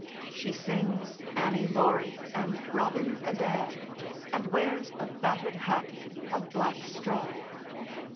She sings "Annie Laurie" and "Robin Adair," and wears a battered hat of black straw.